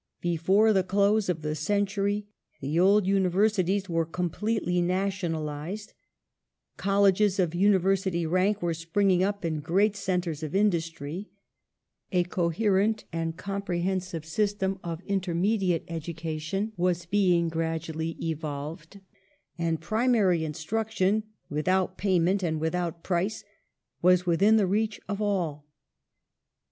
Before the close of the century the old Universities were completely nationalized ; Colleges of Univei'sity rank were springing up in great centres of industry; a coherent and comprehensive system of intermediate education was being gradually evolved, and primary instiTiction, without payment and without price, was within the reach of all.